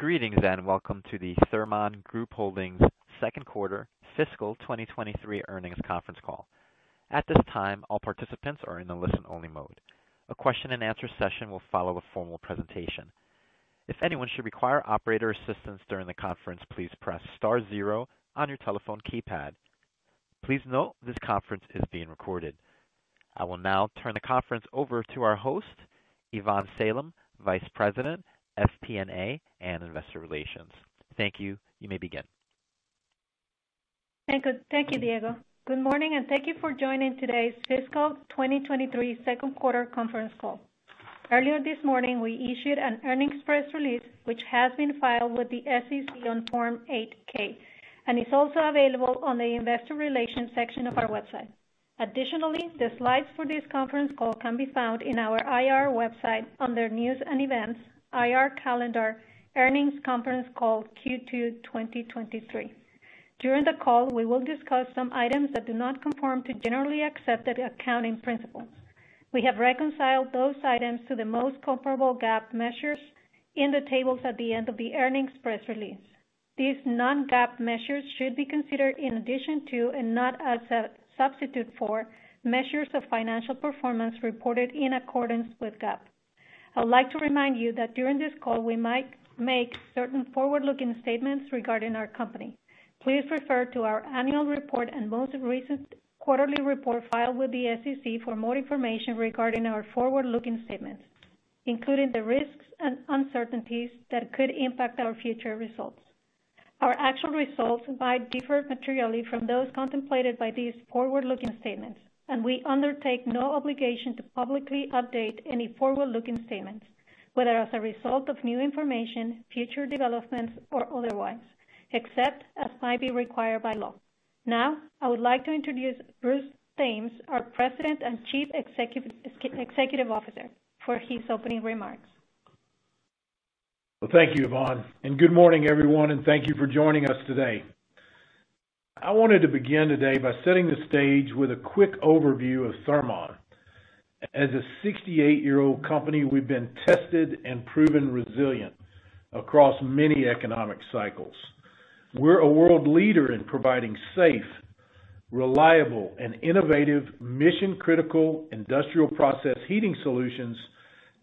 Greetings, and welcome to the Thermon Group Holdings second quarter fiscal 2023 earnings conference call. At this time, all participants are in the listen-only mode. A question and answer session will follow the formal presentation. If anyone should require operator assistance during the conference, please press star zero on your telephone keypad. Please note this conference is being recorded. I will now turn the conference over to our host, Ivonne Salem, Vice President, FP&A and Investor Relations. Thank you. You may begin. Thank you, Diego. Good morning, and thank you for joining today's fiscal 2023 second quarter conference call. Earlier this morning, we issued an earnings press release, which has been filed with the SEC on Form 8-K and is also available on the investor relations section of our website. Additionally, the slides for this conference call can be found in our IR website under News and Events, IR Calendar Earnings Conference Call Q2 2023. During the call, we will discuss some items that do not conform to generally accepted accounting principles. We have reconciled those items to the most comparable GAAP measures in the tables at the end of the earnings press release. These non-GAAP measures should be considered in addition to and not as a substitute for measures of financial performance reported in accordance with GAAP. I would like to remind you that during this call we might make certain forward-looking statements regarding our company. Please refer to our annual report and most recent quarterly report filed with the SEC for more information regarding our forward-looking statements, including the risks and uncertainties that could impact our future results. Our actual results might differ materially from those contemplated by these forward-looking statements, and we undertake no obligation to publicly update any forward-looking statements, whether as a result of new information, future developments, or otherwise, except as might be required by law. Now, I would like to introduce Bruce Thames, our President and Chief Executive Officer, for his opening remarks. Well, thank you, Ivonne, and good morning, everyone, and thank you for joining us today. I wanted to begin today by setting the stage with a quick overview of Thermon. As a 68-year-old company, we've been tested and proven resilient across many economic cycles. We're a world leader in providing safe, reliable and innovative mission-critical industrial process heating solutions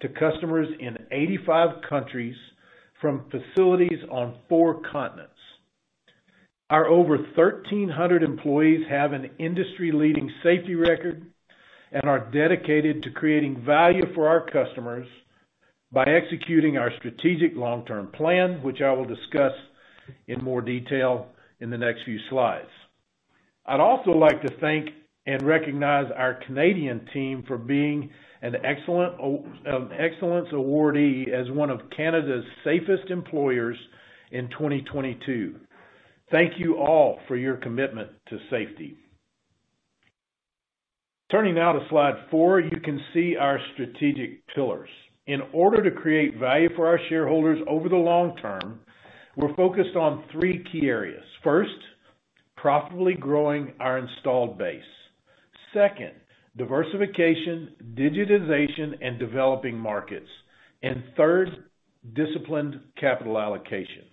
to customers in 85 countries from facilities on four continents. Our over 1,300 employees have an industry-leading safety record and are dedicated to creating value for our customers by executing our strategic long-term plan, which I will discuss in more detail in the next few slides. I'd also like to thank and recognize our Canadian team for being an excellent excellence awardee as one of Canada's safest employers in 2022. Thank you all for your commitment to safety. Turning now to slide four, you can see our strategic pillars. In order to create value for our shareholders over the long term, we're focused on three key areas. First, profitably growing our installed base. Second, diversification, digitization and developing markets. Third, disciplined capital allocation.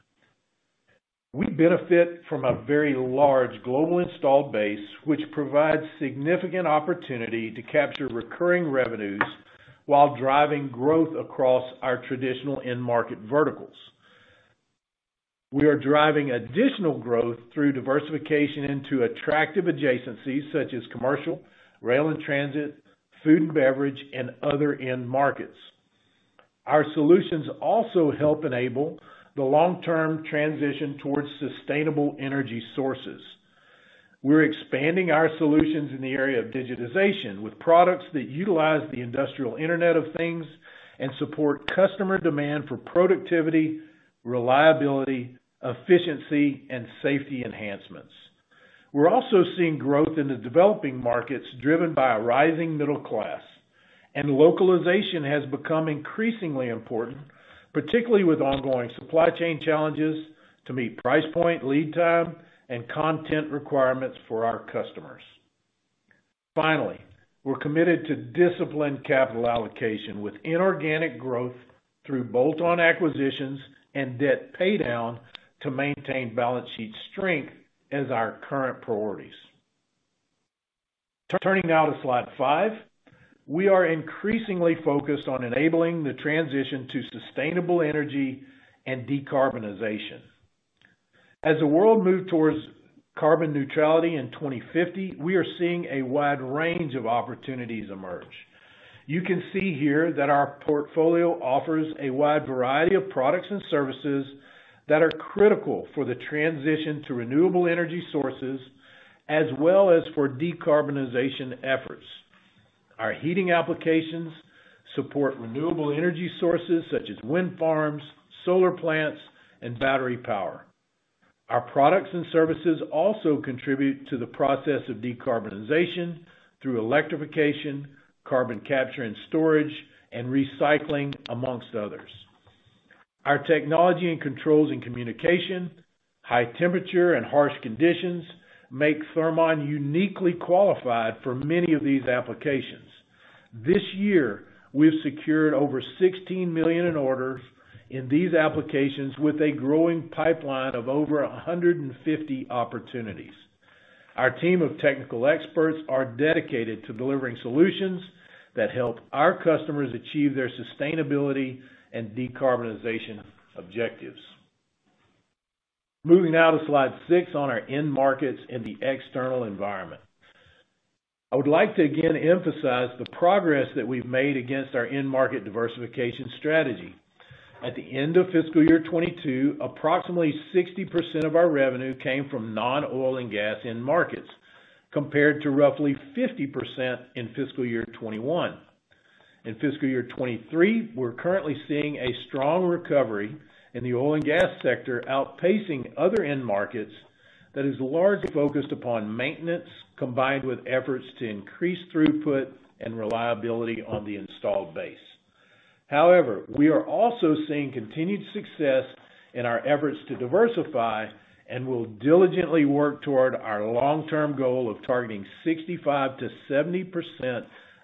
We benefit from a very large global installed base, which provides significant opportunity to capture recurring revenues while driving growth across our traditional end market verticals. We are driving additional growth through diversification into attractive adjacencies such as commercial, rail and transit, food and beverage and other end markets. Our solutions also help enable the long-term transition towards sustainable energy sources. We're expanding our solutions in the area of digitization with products that utilize the industrial Internet of Things and support customer demand for productivity, reliability, efficiency and safety enhancements. We're also seeing growth in the developing markets driven by a rising middle class, and localization has become increasingly important, particularly with ongoing supply chain challenges, to meet price point, lead time and content requirements for our customers. Finally, we're committed to disciplined capital allocation with inorganic growth through bolt-on acquisitions and debt paydown to maintain balance sheet strength as our current priorities. Turning now to slide five. We are increasingly focused on enabling the transition to sustainable energy and decarbonization. As the world moved towards carbon neutrality in 2050, we are seeing a wide range of opportunities emerge. You can see here that our portfolio offers a wide variety of products and services that are critical for the transition to renewable energy sources as well as for decarbonization efforts. Our heating applications support renewable energy sources such as wind farms, solar plants and battery power. Our products and services also contribute to the process of decarbonization through electrification, carbon capture and storage, and recycling, among others. Our technology and controls in communication, high temperature and harsh conditions make Thermon uniquely qualified for many of these applications. This year, we've secured over $16 million in orders in these applications with a growing pipeline of over 150 opportunities. Our team of technical experts are dedicated to delivering solutions that help our customers achieve their sustainability and decarbonization objectives. Moving now to slide six on our end markets and the external environment. I would like to again emphasize the progress that we've made against our end market diversification strategy. At the end of fiscal year 2022, approximately 60% of our revenue came from non-oil and gas end markets, compared to roughly 50% in fiscal year 2021. In fiscal year 2023, we're currently seeing a strong recovery in the oil and gas sector, outpacing other end markets that is largely focused upon maintenance, combined with efforts to increase throughput and reliability on the installed base. However, we are also seeing continued success in our efforts to diversify, and we'll diligently work toward our long-term goal of targeting 65%-70%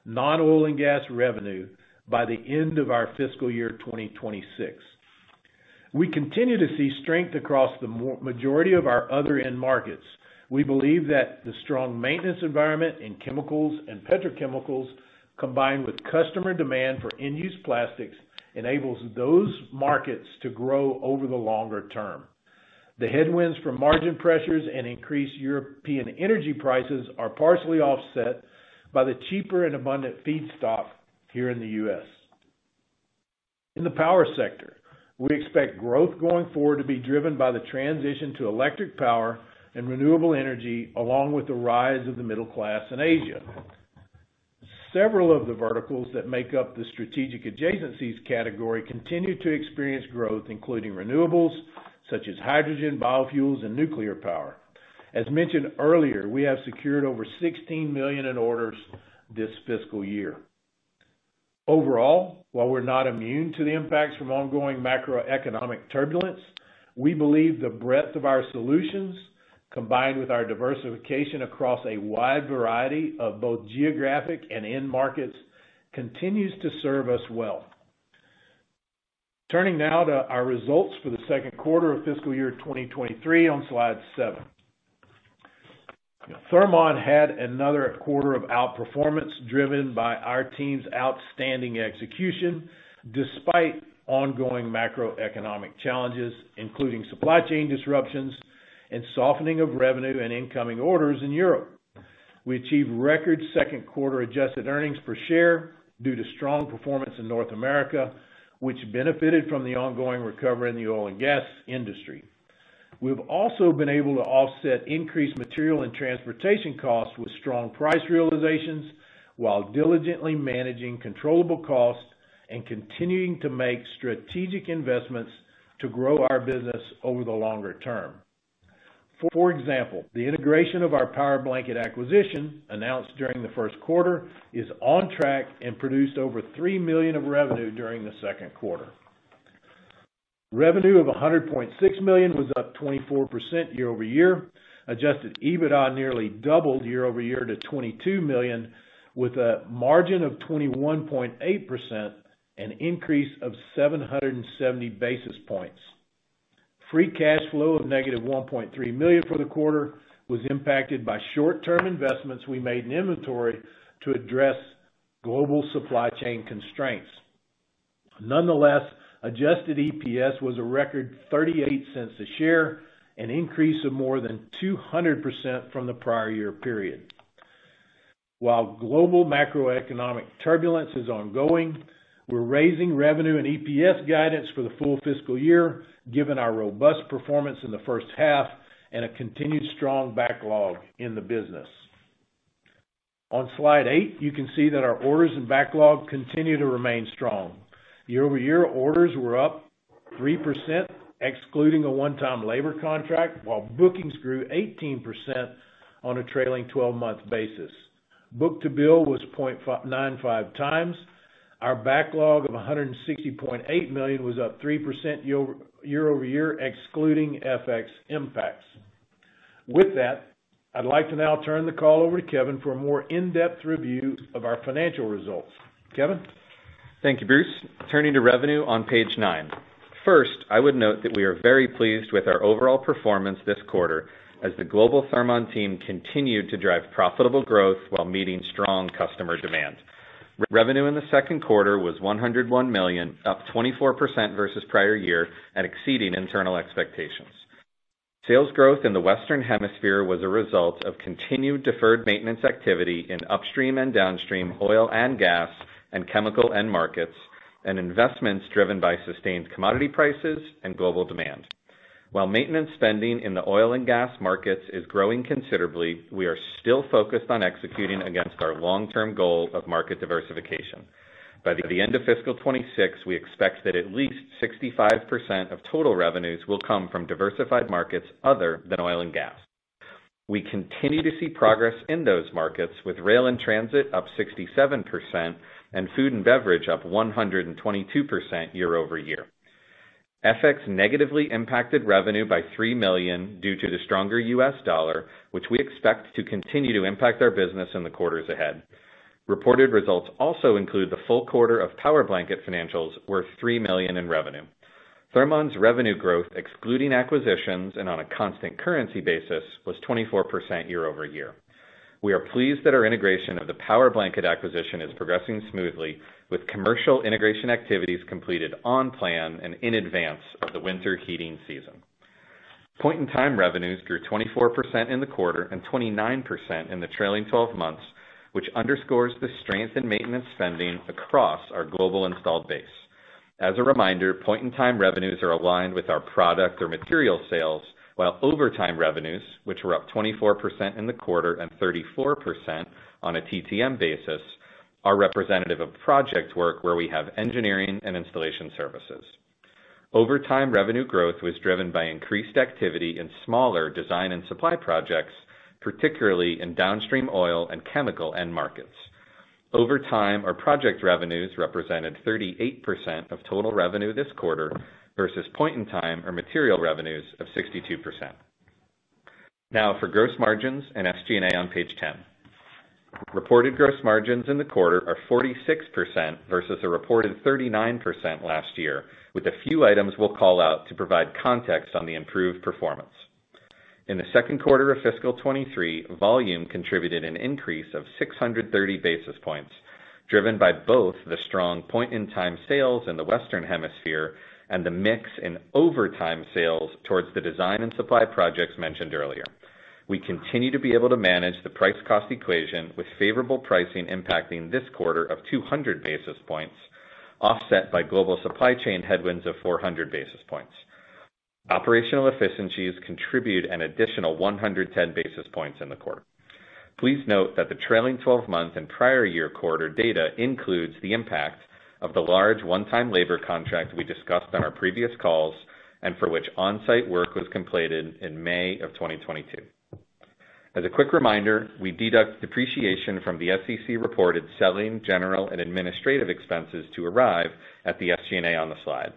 non-oil and gas revenue by the end of our fiscal year 2026. We continue to see strength across the majority of our other end markets. We believe that the strong maintenance environment in chemicals and petrochemicals, combined with customer demand for end-use plastics, enables those markets to grow over the longer term. The headwinds from margin pressures and increased European energy prices are partially offset by the cheaper and abundant feedstock here in the U.S. In the power sector, we expect growth going forward to be driven by the transition to electric power and renewable energy, along with the rise of the middle class in Asia. Several of the verticals that make up the strategic adjacencies category continue to experience growth, including renewables, such as hydrogen, biofuels, and nuclear power. As mentioned earlier, we have secured over $16 million in orders this fiscal year. Overall, while we're not immune to the impacts from ongoing macroeconomic turbulence, we believe the breadth of our solutions, combined with our diversification across a wide variety of both geographic and end markets, continues to serve us well. Turning now to our results for the second quarter of fiscal year 2023 on slide seven. Thermon had another quarter of outperformance driven by our team's outstanding execution despite ongoing macroeconomic challenges, including supply chain disruptions and softening of revenue and incoming orders in Europe. We achieved record second quarter adjusted earnings per share due to strong performance in North America, which benefited from the ongoing recovery in the oil and gas industry. We've also been able to offset increased material and transportation costs with strong price realizations while diligently managing controllable costs and continuing to make strategic investments to grow our business over the longer term. For example, the integration of our Powerblanket acquisition announced during the first quarter is on track and produced over $3 million of revenue during the second quarter. Revenue of $100.6 million was up 24% year-over-year. Adjusted EBITDA nearly doubled year-over-year to $22 million with a margin of 21.8%, an increase of 770 basis points. Free cash flow of -$1.3 million for the quarter was impacted by short-term investments we made in inventory to address global supply chain constraints. Nonetheless, adjusted EPS was a record $0.38 a share, an increase of more than 200% from the prior year period. While global macroeconomic turbulence is ongoing, we're raising revenue and EPS guidance for the full fiscal year, given our robust performance in the first half and a continued strong backlog in the business. On slide eight, you can see that our orders and backlog continue to remain strong. Year-over-year orders were up 3%, excluding a one-time labor contract, while bookings grew 18% on a trailing 12-month basis. Book-to-bill was 0.95 times. Our backlog of $160.8 million was up 3% year-over-year, excluding FX impacts. With that, I'd like to now turn the call over to Kevin for a more in-depth review of our financial results. Kevin? Thank you, Bruce. Turning to revenue on page nine. First, I would note that we are very pleased with our overall performance this quarter as the global Thermon team continued to drive profitable growth while meeting strong customer demand. Revenue in the second quarter was $101 million, up 24% versus prior year and exceeding internal expectations. Sales growth in the Western Hemisphere was a result of continued deferred maintenance activity in upstream and downstream oil and gas and chemical end markets, and investments driven by sustained commodity prices and global demand. While maintenance spending in the oil and gas markets is growing considerably, we are still focused on executing against our long-term goal of market diversification. By the end of fiscal 2026, we expect that at least 65% of total revenues will come from diversified markets other than oil and gas. We continue to see progress in those markets with rail and transit up 67% and food and beverage up 122% year-over-year. FX negatively impacted revenue by $3 million due to the stronger US dollar, which we expect to continue to impact our business in the quarters ahead. Reported results also include the full quarter of Powerblanket financials worth $3 million in revenue. Thermon's revenue growth, excluding acquisitions and on a constant currency basis, was 24% year-over-year. We are pleased that our integration of the Powerblanket acquisition is progressing smoothly, with commercial integration activities completed on plan and in advance of the winter heating season. Point-in-time revenues grew 24% in the quarter and 29% in the trailing twelve months, which underscores the strength in maintenance spending across our global installed base. As a reminder, point-in-time revenues are aligned with our product or material sales, while over time revenues, which were up 24% in the quarter and 34% on a TTM basis, are representative of project work where we have engineering and installation services. Over time revenue growth was driven by increased activity in smaller design and supply projects, particularly in downstream oil and chemical end markets. Over time, our project revenues represented 38% of total revenue this quarter versus point-in-time or material revenues of 62%. Now for gross margins and SG&A on page 10. Reported gross margins in the quarter are 46% versus a reported 39% last year, with a few items we'll call out to provide context on the improved performance. In the second quarter of fiscal 2023, volume contributed an increase of 630 basis points, driven by both the strong point-in-time sales in the Western Hemisphere and the mix in over time sales toward the design and supply projects mentioned earlier. We continue to be able to manage the price-cost equation with favorable pricing impacting this quarter of 200 basis points, offset by global supply chain headwinds of 400 basis points. Operational efficiencies contribute an additional 110 basis points in the quarter. Please note that the trailing 12-month and prior year quarter data includes the impact of the large one-time labor contract we discussed on our previous calls and for which on-site work was completed in May of 2022. As a quick reminder, we deduct depreciation from the SEC-reported selling, general, and administrative expenses to arrive at the SG&A on the slide.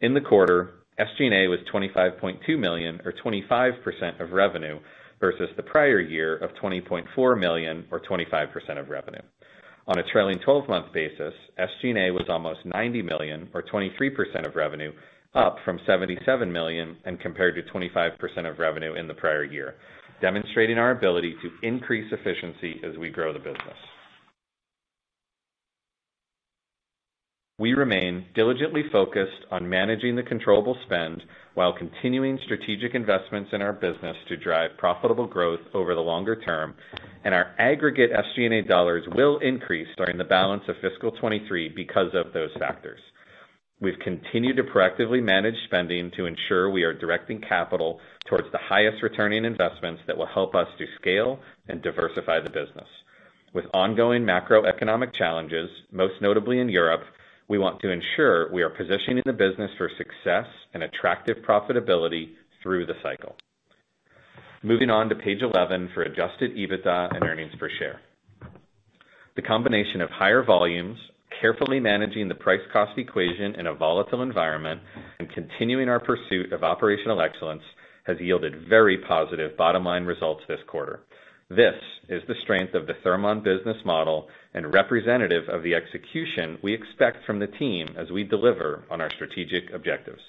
In the quarter, SG&A was $25.2 million or 25% of revenue versus the prior year of $20.4 million, or 25% of revenue. On a trailing 12-month basis, SG&A was almost $90 million or 23% of revenue, up from $77 million and compared to 25% of revenue in the prior year, demonstrating our ability to increase efficiency as we grow the business. We remain diligently focused on managing the controllable spend while continuing strategic investments in our business to drive profitable growth over the longer term, and our aggregate SG&A dollars will increase during the balance of fiscal 2023 because of those factors. We've continued to proactively manage spending to ensure we are directing capital towards the highest returning investments that will help us to scale and diversify the business. With ongoing macroeconomic challenges, most notably in Europe, we want to ensure we are positioning the business for success and attractive profitability through the cycle. Moving on to page 11 for adjusted EBITDA and earnings per share. The combination of higher volumes, carefully managing the price-cost equation in a volatile environment, and continuing our pursuit of operational excellence has yielded very positive bottom-line results this quarter. This is the strength of the Thermon business model and representative of the execution we expect from the team as we deliver on our strategic objectives.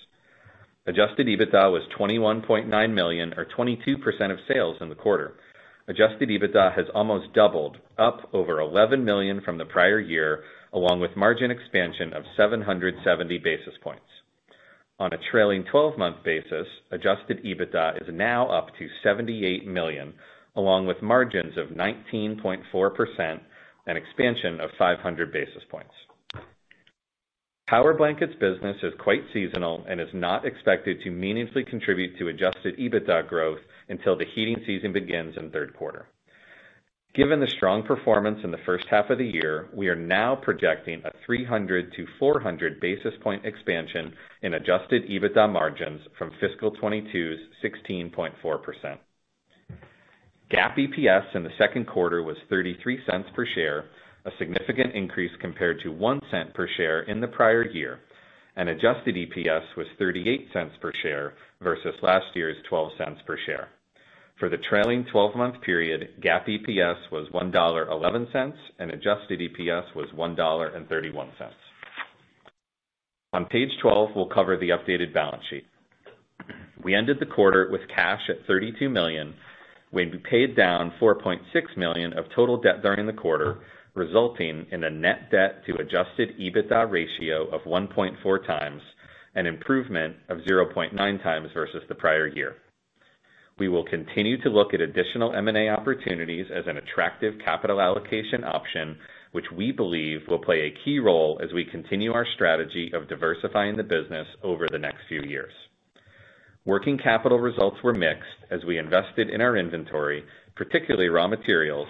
Adjusted EBITDA was $21.9 million or 22% of sales in the quarter. Adjusted EBITDA has almost doubled up over $11 million from the prior year, along with margin expansion of 770 basis points. On a trailing 12-month basis, adjusted EBITDA is now up to $78 million, along with margins of 19.4%, an expansion of 500 basis points. Powerblanket business is quite seasonal and is not expected to meaningfully contribute to adjusted EBITDA growth until the heating season begins in third quarter. Given the strong performance in the first half of the year, we are now projecting a 300-400 basis point expansion in adjusted EBITDA margins from fiscal 2022 16.4%. GAAP EPS in the second quarter was $0.33 per share, a significant increase compared to $0.01 per share in the prior year, and adjusted EPS was $0.38 per share versus last year's $0.12 per share. For the trailing 12-month period, GAAP EPS was $1.11, and adjusted EPS was $1.31. On page 12, we'll cover the updated balance sheet. We ended the quarter with cash at $32 million, when we paid down $4.6 million of total debt during the quarter, resulting in a net debt to adjusted EBITDA ratio of 1.4 times, an improvement of 0.9 times versus the prior year. We will continue to look at additional M&A opportunities as an attractive capital allocation option, which we believe will play a key role as we continue our strategy of diversifying the business over the next few years. Working capital results were mixed as we invested in our inventory, particularly raw materials,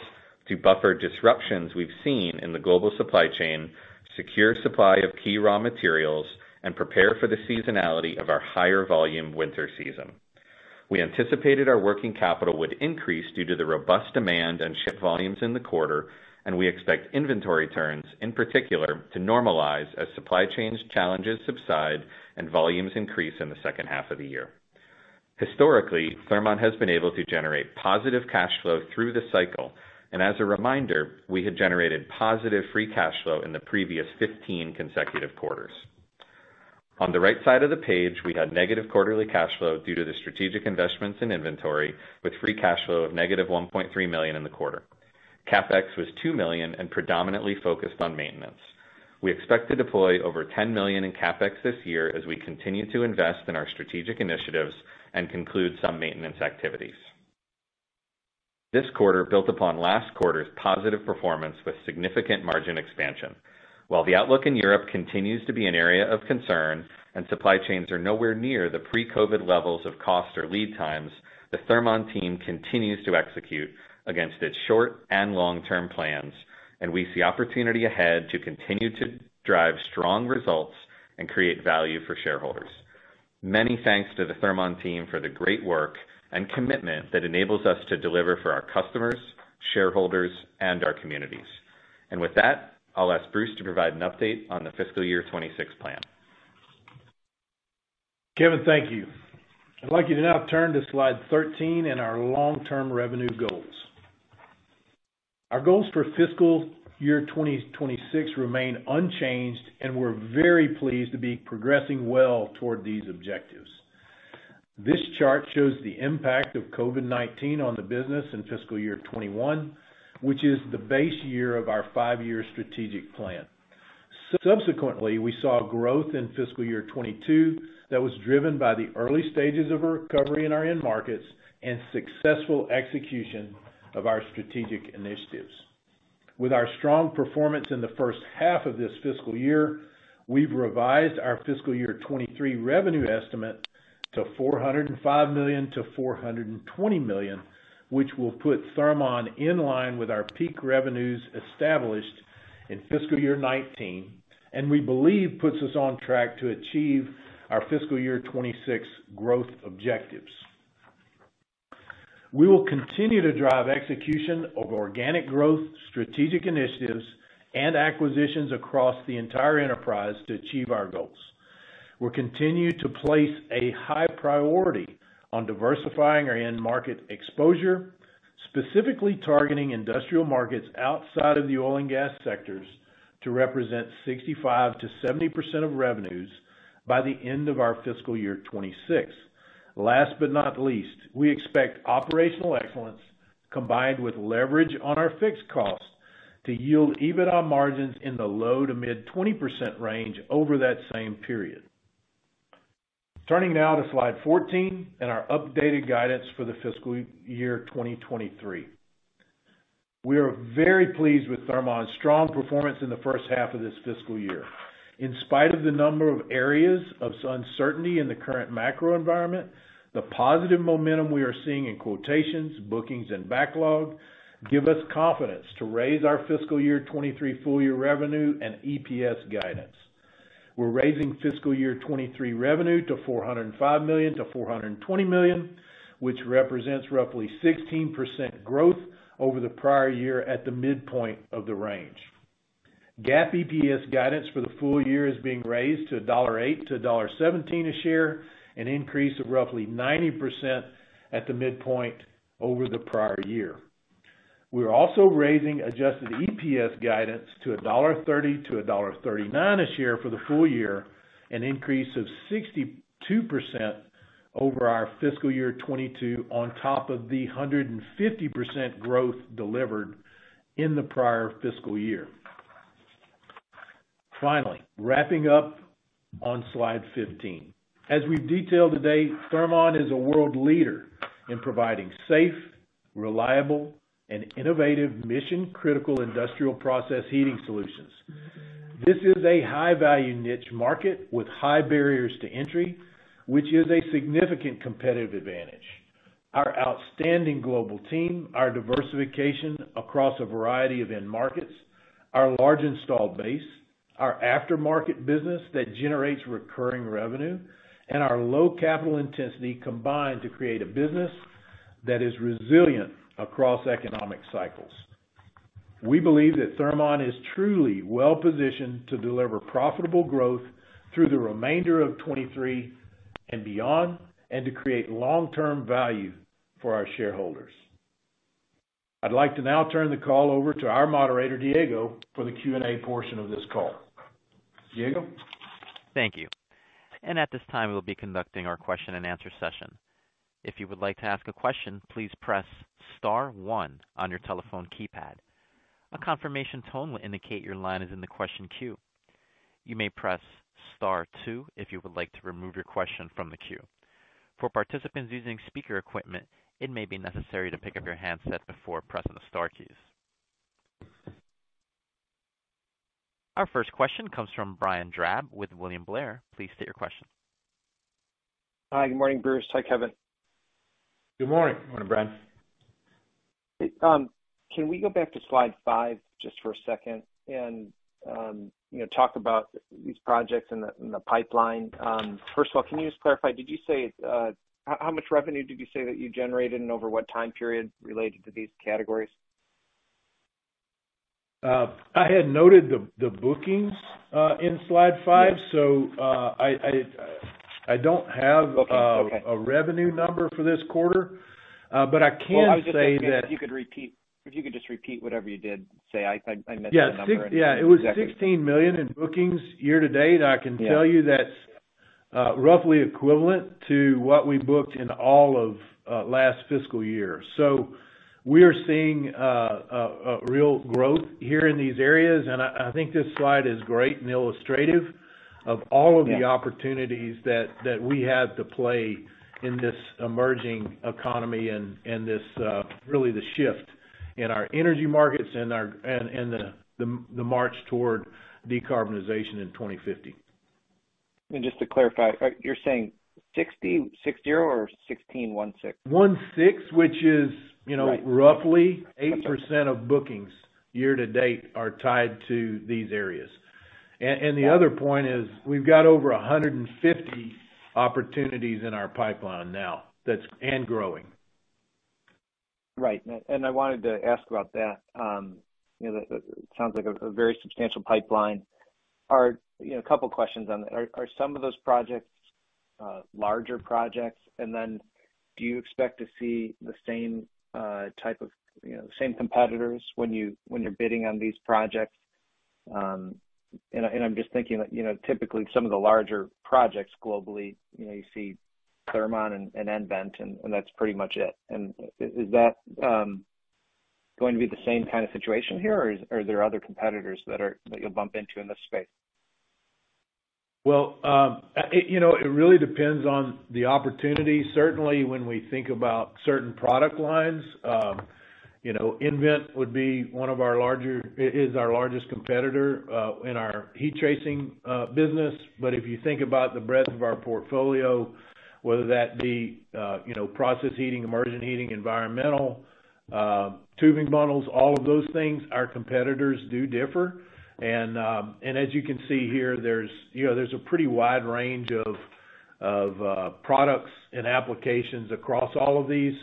to buffer disruptions we've seen in the global supply chain, secure supply of key raw materials, and prepare for the seasonality of our higher volume winter season. We anticipated our working capital would increase due to the robust demand and ship volumes in the quarter, and we expect inventory turns, in particular, to normalize as supply chains challenges subside and volumes increase in the second half of the year. Historically, Thermon has been able to generate positive cash flow through the cycle. As a reminder, we had generated positive free cash flow in the previous 15 consecutive quarters. On the right side of the page, we had negative quarterly cash flow due to the strategic investments in inventory with free cash flow of -$1.3 million in the quarter. CapEx was $2 million and predominantly focused on maintenance. We expect to deploy over $10 million in CapEx this year as we continue to invest in our strategic initiatives and conclude some maintenance activities. This quarter built upon last quarter's positive performance with significant margin expansion. While the outlook in Europe continues to be an area of concern and supply chains are nowhere near the pre-COVID levels of cost or lead times, the Thermon team continues to execute against its short- and long-term plans, and we see opportunity ahead to continue to drive strong results and create value for shareholders. Many thanks to the Thermon team for the great work and commitment that enables us to deliver for our customers, shareholders, and our communities. With that, I'll ask Bruce to provide an update on the fiscal year 2026 plan. Kevin, thank you. I'd like you to now turn to slide 13 in our long-term revenue goals. Our goals for fiscal year 2026 remain unchanged, and we're very pleased to be progressing well toward these objectives. This chart shows the impact of COVID-19 on the business in fiscal year 2021, which is the base year of our five-year strategic plan. Subsequently, we saw growth in fiscal year 2022 that was driven by the early stages of a recovery in our end markets and successful execution of our strategic initiatives. With our strong performance in the first half of this fiscal year, we've revised our fiscal year 2023 revenue estimate to $405 million-$420 million, which will put Thermon in line with our peak revenues established in fiscal year 2019, and we believe puts us on track to achieve our fiscal year 2026 growth objectives. We will continue to drive execution of organic growth, strategic initiatives, and acquisitions across the entire enterprise to achieve our goals. We'll continue to place a high priority on diversifying our end market exposure, specifically targeting industrial markets outside of the oil and gas sectors to represent 65%-70% of revenues by the end of our fiscal year 2026. Last but not least, we expect operational excellence combined with leverage on our fixed cost to yield EBITDA margins in the low- to mid-20% range over that same period. Turning now to slide 14 and our updated guidance for the fiscal year 2023. We are very pleased with Thermon's strong performance in the first half of this fiscal year. In spite of the number of areas of uncertainty in the current macro environment, the positive momentum we are seeing in quotations, bookings, and backlog give us confidence to raise our fiscal year 2023 full year revenue and EPS guidance. We're raising fiscal year 2023 revenue to $405 million-$420 million, which represents roughly 16% growth over the prior year at the midpoint of the range. GAAP EPS guidance for the full year is being raised to $1.08-$1.17 a share, an increase of roughly 90% at the midpoint over the prior year. We are also raising adjusted EPS guidance to $1.30-$1.39 a share for the full year, an increase of 62% over our fiscal year 2022 on top of the 150% growth delivered in the prior fiscal year. Finally, wrapping up on slide 15. As we've detailed today, Thermon is a world leader in providing safe, reliable, and innovative mission-critical industrial process heating solutions. This is a high-value niche market with high barriers to entry, which is a significant competitive advantage. Our outstanding global team, our diversification across a variety of end markets, our large installed base, our aftermarket business that generates recurring revenue, and our low capital intensity combine to create a business that is resilient across economic cycles. We believe that Thermon is truly well-positioned to deliver profitable growth through the remainder of 2023 and beyond, and to create long-term value for our shareholders. I'd like to now turn the call over to our moderator, Diego, for the Q&A portion of this call. Diego? Thank you. At this time, we'll be conducting our question-and-answer session. If you would like to ask a question, please press star one on your telephone keypad. A confirmation tone will indicate your line is in the question queue. You may press star two if you would like to remove your question from the queue. For participants using speaker equipment, it may be necessary to pick up your handset before pressing the star keys. Our first question comes from Brian Drab with William Blair. Please state your question. Hi, good morning, Bruce. Hi, Kevin. Good morning. Good morning, Brian. Can we go back to slide five just for a second and, you know, talk about these projects in the pipeline? First of all, can you just clarify, did you say how much revenue did you say that you generated and over what time period related to these categories? I had noted the bookings in slide five. Yeah. I don't have- Okay. a revenue number for this quarter. I can say that. Oh, I was just wondering if you could just repeat whatever you did say. I missed the number. Yeah. Exactly. Yeah, it was $16 million in bookings year to date. Yeah. I can tell you that's roughly equivalent to what we booked in all of last fiscal year. We are seeing a real growth here in these areas, and I think this slide is great and illustrative of all of the opportunities that we have to play in this emerging economy and this really the shift in our energy markets and the march toward decarbonization in 2050. Just to clarify, you're saying 60 60 or 16 16? 16 Right You know, roughly 8% of bookings year to date are tied to these areas. The other point is we've got over 150 opportunities in our pipeline now that's and growing. Right. I wanted to ask about that. You know, that it sounds like a very substantial pipeline. You know, a couple of questions on that. Are some of those projects larger projects? Do you expect to see the same type of, you know, the same competitors when you're bidding on these projects? I'm just thinking, you know, typically some of the larger projects globally, you know, you see Thermon and nVent, and that's pretty much it. Is that going to be the same kind of situation here, or are there other competitors that you'll bump into in this space? Well, you know, it really depends on the opportunity. Certainly, when we think about certain product lines, nVent would be one of our larger, it is our largest competitor in our heat tracing business. If you think about the breadth of our portfolio, whether that be, you know, process heating, emergent heating, environmental, tubing bundles, all of those things, our competitors do differ. As you can see here, there's you know, a pretty wide range of products and applications across all of these.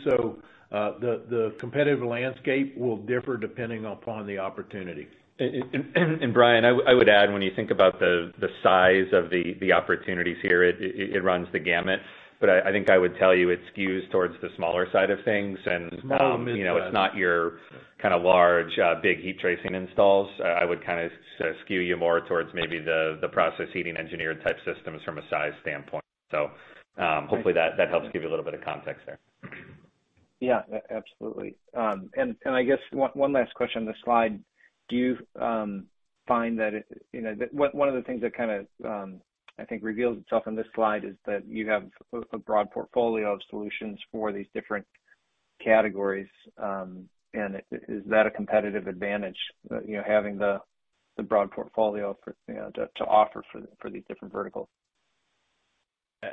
The competitive landscape will differ depending upon the opportunity. Brian, I would add when you think about the size of the opportunities here, it runs the gamut. I think I would tell you it skews towards the smaller side of things. Small to midsize You know, it's not your kind of large, big heat tracing installs. I would kind of skew you more towards maybe the process heating engineered type systems from a size standpoint. Hopefully that helps give you a little bit of context there. Yeah. Absolutely. I guess one last question on this slide. Do you find that it, you know, one of the things that kind of I think reveals itself in this slide is that you have a broad portfolio of solutions for these different categories. Is that a competitive advantage, you know, having the broad portfolio for, you know, to offer for these different verticals?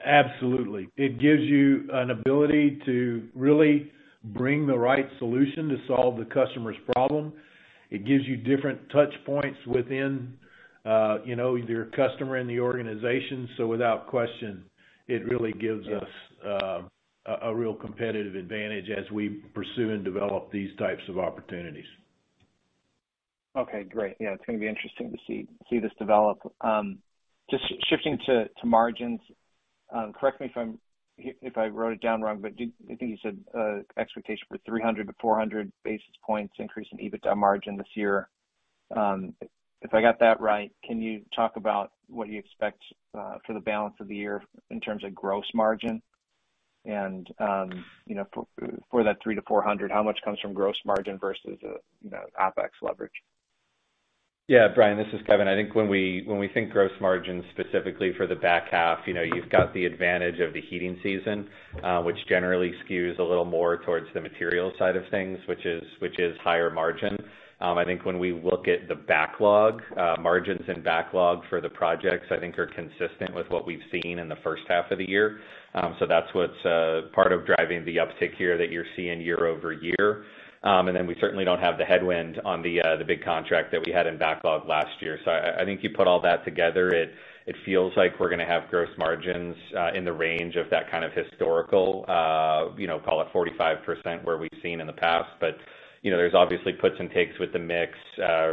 Absolutely. It gives you an ability to really bring the right solution to solve the customer's problem. It gives you different touch points within, you know, your customer and the organization. Without question, it really gives us- Yeah a real competitive advantage as we pursue and develop these types of opportunities. Okay, great. Yeah, it's gonna be interesting to see this develop. Just shifting to margins. Correct me if I wrote it down wrong, but I think you said expectation for 300-400 basis points increase in EBITDA margin this year. If I got that right, can you talk about what you expect for the balance of the year in terms of gross margin? You know, for that 300-400, how much comes from gross margin versus, you know, OpEx leverage? Yeah, Brian, this is Kevin. I think when we think gross margin specifically for the back half, you know, you've got the advantage of the heating season, which generally skews a little more towards the material side of things, which is higher margin. I think when we look at the backlog, margins and backlog for the projects, I think are consistent with what we've seen in the first half of the year. That's what's part of driving the uptick here that you're seeing year-over-year. We certainly don't have the headwind on the big contract that we had in backlog last year. I think you put all that together, it feels like we're gonna have gross margins in the range of that kind of historical, you know, call it 45%, where we've seen in the past. You know, there's obviously puts and takes with the mix,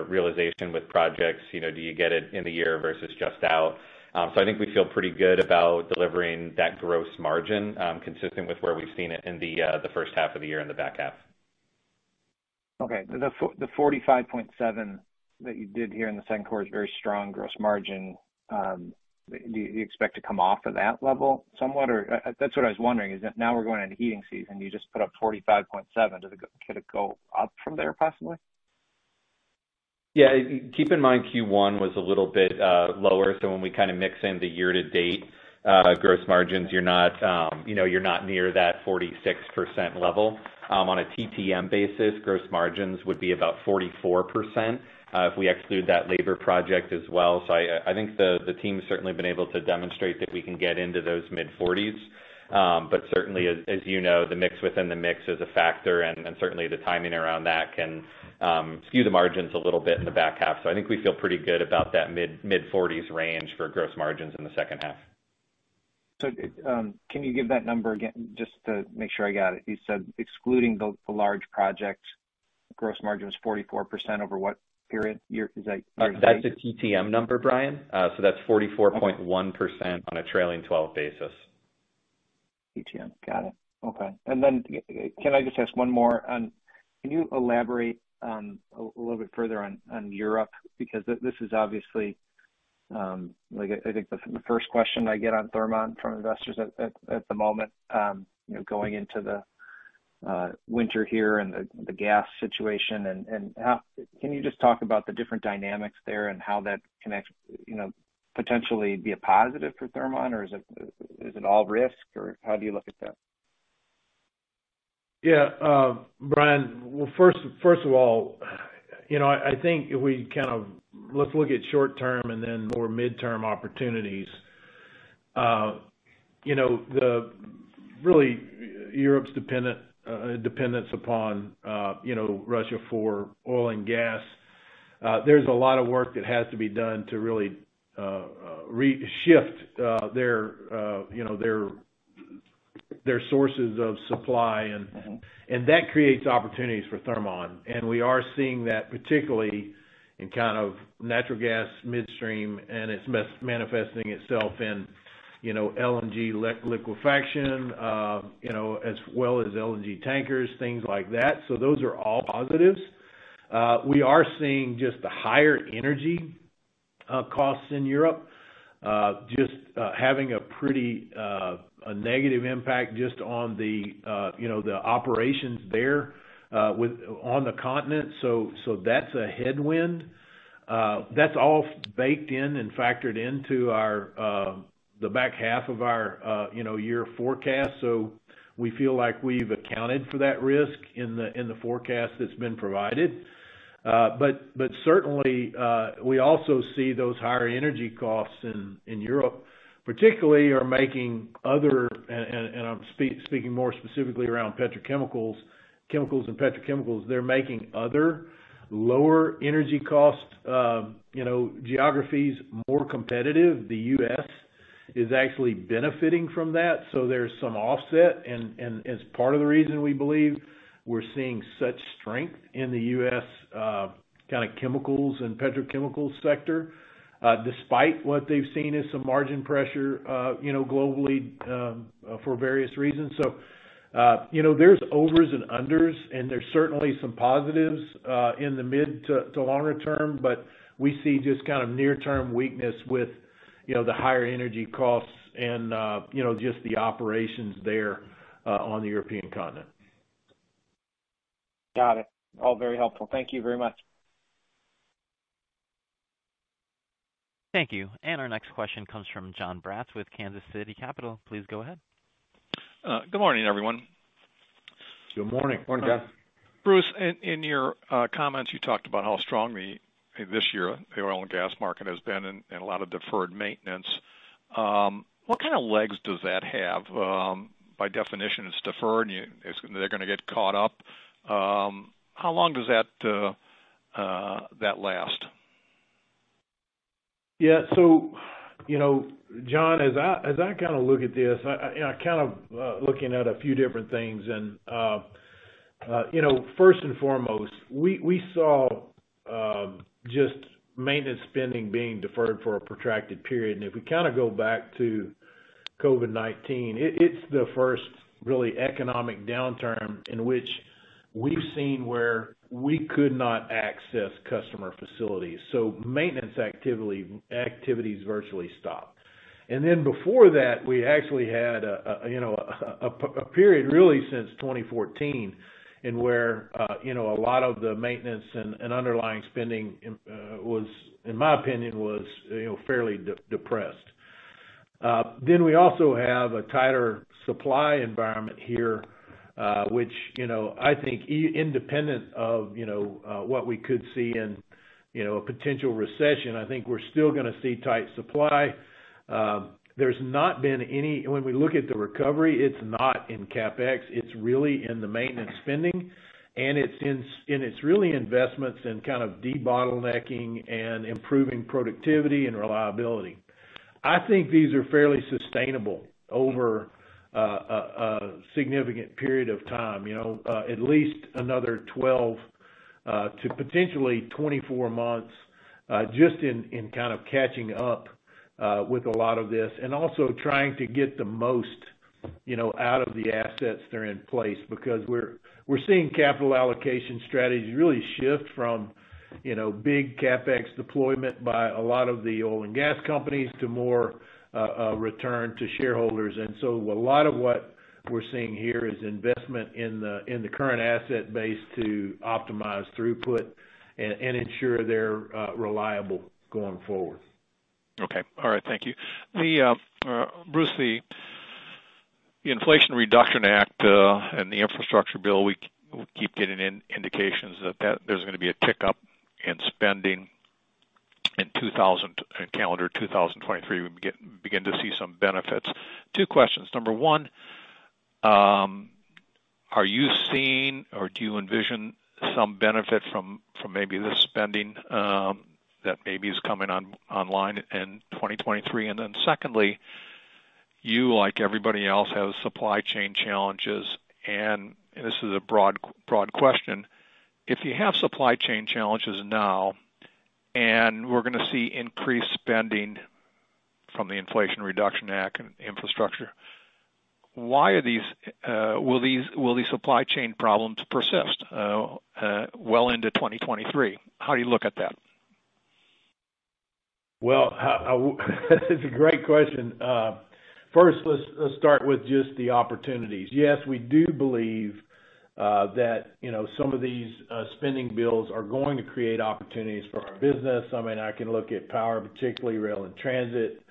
realization with projects. You know, do you get it in the year versus just out? I think we feel pretty good about delivering that gross margin, consistent with where we've seen it in the first half of the year in the back half. Okay. The 45.7% that you did here in the second quarter is very strong gross margin. Do you expect to come off of that level somewhat? Or, that's what I was wondering, is that now we're going into heating season, you just put up 45.7%. Could it go up from there, possibly? Yeah. Keep in mind, Q1 was a little bit lower. When we kind of mix in the year to date, gross margins, you're not, you know, you're not near that 46% level. On a TTM basis, gross margins would be about 44%, if we exclude that labor project as well. I think the team's certainly been able to demonstrate that we can get into those mid-forties. Certainly, as you know, the mix within the mix is a factor, and certainly the timing around that can skew the margins a little bit in the back half. I think we feel pretty good about that mid-forties range for gross margins in the second half. Can you give that number again just to make sure I got it? You said excluding the large project, gross margin was 44% over what period year? Is that- That's a TTM number, Brian. That's 44.1% on a trailing 12 basis. TTM. Got it. Okay. Then can I just ask one more? Can you elaborate a little bit further on Europe? Because this is obviously, like I think the first question I get on Thermon from investors at the moment, you know, going into the winter here and the gas situation. How can you just talk about the different dynamics there and how that connects, you know, potentially be a positive for Thermon or is it all risk, or how do you look at that? Yeah. Brian, well, first of all, you know, let's look at short term and then more midterm opportunities. You know, really Europe's dependence upon, you know, Russia for oil and gas. There's a lot of work that has to be done to really reshift their, you know, their sources of supply. Mm-hmm. That creates opportunities for Thermon. We are seeing that particularly in kind of natural gas midstream, and it's manifesting itself in, you know, LNG liquefaction, you know, as well as LNG tankers, things like that. Those are all positives. We are seeing just the higher energy costs in Europe just having a pretty a negative impact just on the, you know, the operations there on the continent. That's a headwind. That's all baked in and factored into our the back half of our, you know, year forecast. We feel like we've accounted for that risk in the forecast that's been provided. But certainly we also see those higher energy costs in Europe particularly are making other. I'm speaking more specifically around petrochemicals, chemicals and petrochemicals. They're making other lower-energy-cost, you know, geographies more competitive. The U.S. is actually benefiting from that, so there's some offset. It's part of the reason we believe we're seeing such strength in the U.S., kind of chemicals and petrochemicals sector, despite what they've seen as some margin pressure, you know, globally, for various reasons. You know, there's overs and unders, and there's certainly some positives, in the mid- to longer-term, but we see just kind of near-term weakness with, you know, the higher energy costs and, you know, just the operations there, on the European continent. Got it. All very helpful. Thank you very much. Thank you. Our next question comes from Jon Braatz with Kansas City Capital Associates. Please go ahead. Good morning, everyone. Good morning. Morning, Jon. Bruce, in your comments, you talked about how strong this year's oil and gas market has been and a lot of deferred maintenance. What kind of legs does that have? By definition, it's deferred, they're gonna get caught up. How long does that last? Yeah. You know, Jon, as I kind of look at this, I kind of looking at a few different things. You know, first and foremost, we saw just maintenance spending being deferred for a protracted period. If we kind of go back to COVID-19, it's the first really economic downturn in which we've seen where we could not access customer facilities, so maintenance activities virtually stopped. Before that, we actually had you know, a period really since 2014 in which you know, a lot of the maintenance and underlying spending was, in my opinion, you know, fairly depressed. We also have a tighter supply environment here, which, you know, I think independent of, you know, what we could see in, you know, a potential recession, I think we're still gonna see tight supply. When we look at the recovery, it's not in CapEx, it's really in the maintenance spending, and it's really investments in kind of debottlenecking and improving productivity and reliability. I think these are fairly sustainable over a significant period of time, you know, at least another 12 to potentially 24 months, just in kind of catching up with a lot of this and also trying to get the most, you know, out of the assets that are in place. Because we're seeing capital allocation strategies really shift from, you know, big CapEx deployment by a lot of the oil and gas companies to more return to shareholders. A lot of what we're seeing here is investment in the current asset base to optimize throughput and ensure they're reliable going forward. Okay. All right. Thank you. Bruce, the Inflation Reduction Act and the infrastructure bill, we keep getting indications that there's gonna be a tick-up in spending in calendar 2023. We begin to see some benefits. Two questions. Number one, are you seeing or do you envision some benefit from maybe the spending that maybe is coming online in 2023? Secondly, you, like everybody else, have supply chain challenges, and this is a broad question. If you have supply chain challenges now, and we're gonna see increased spending from the Inflation Reduction Act and infrastructure, will these supply chain problems persist well into 2023? How do you look at that? Well, that's a great question. First, let's start with just the opportunities. Yes, we do believe that, you know, some of these spending bills are going to create opportunities for our business. I mean, I can look at power, particularly rail and transit,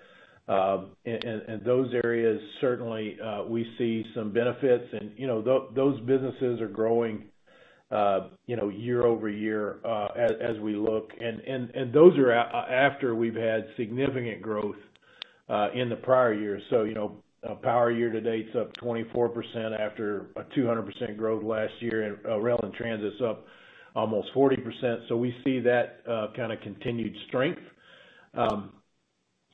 and those areas certainly, we see some benefits and, you know, those businesses are growing, you know, year-over-year, as we look. Those are after we've had significant growth in the prior years. You know, power year to date is up 24% after a 200% growth last year, and rail and transit is up almost 40%. We see that kind of continued strength.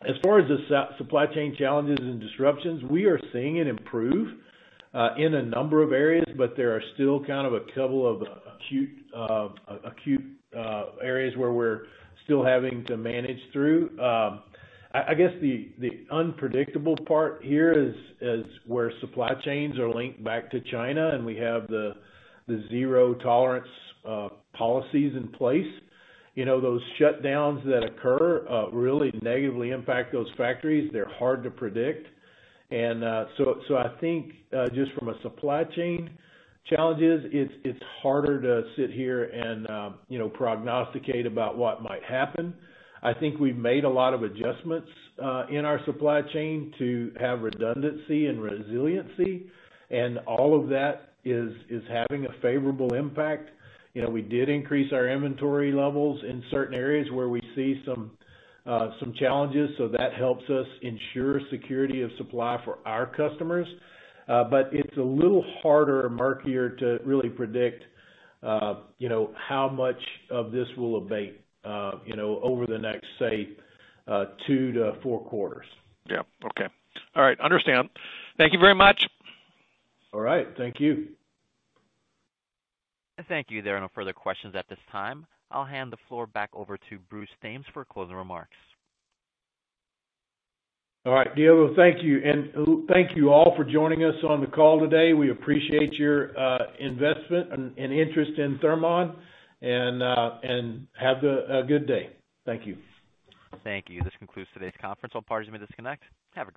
As far as the supply chain challenges and disruptions, we are seeing it improve in a number of areas, but there are still kind of a couple of acute areas where we're still having to manage through. I guess the unpredictable part here is where supply chains are linked back to China and we have the zero tolerance policies in place. You know, those shutdowns that occur really negatively impact those factories. They're hard to predict. So I think just from a supply chain challenges, it's harder to sit here and you know, prognosticate about what might happen. I think we've made a lot of adjustments in our supply chain to have redundancy and resiliency, and all of that is having a favorable impact. You know, we did increase our inventory levels in certain areas where we see some challenges, so that helps us ensure security of supply for our customers. It's a little harder or murkier to really predict, you know, how much of this will abate, you know, over the next, say, 2-4 quarters. Yeah. Okay. All right. Understand. Thank you very much. All right. Thank you. Thank you. There are no further questions at this time. I'll hand the floor back over to Bruce Thames for closing remarks. All right. Diego, thank you. Thank you all for joining us on the call today. We appreciate your investment and interest in Thermon. Have a good day. Thank you. Thank you. This concludes today's conference. All parties may disconnect. Have a great day.